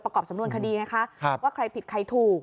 สำนวนคดีไงคะว่าใครผิดใครถูก